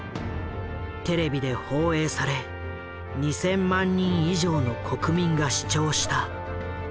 テレビで放映され２，０００万人以上の国民が視聴した。